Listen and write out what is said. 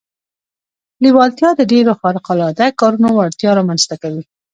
لېوالتیا د ډېرو خارق العاده کارونو وړتیا رامنځته کوي